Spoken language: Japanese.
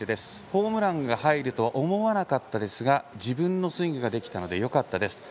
ホームランが入るとは思わなかったですが自分のスイングができたのでよかったですと。